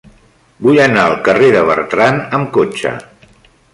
Vull anar al carrer de Bertran amb cotxe.